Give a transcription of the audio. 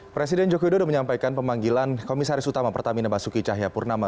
presiden jokowi dodo menyampaikan pemanggilan komisaris utama pertamina masuki cahayapurnama